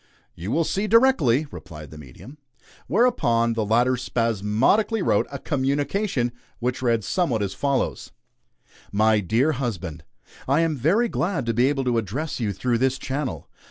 "You will see, directly," replied the medium. Whereupon the latter spasmodically wrote a "communication," which read somewhat as follows: "MY DEAR HUSBAND: I am very glad to be able to address you through this channel.